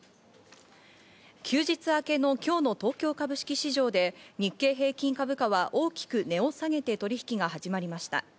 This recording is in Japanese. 休日明けの今日の東京株式市場で日経平均株価は大きく値を下げて取引が始まりました。